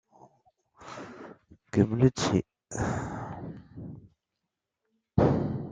Les deux tours sont séparées d'une quarantaine de mètres.